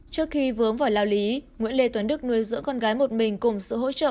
trước khi vướng vào lao lý nguyễn lê tuấn đức nuôi dưỡng con gái một mình cùng sự hỗ trợ